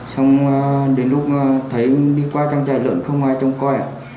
xong đến lúc thấy đi qua trang trại lượn không ai trông coi ạ